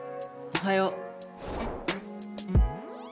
おはよう。